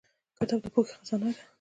کتاب د پوهې خزانه ده